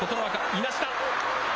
いなした。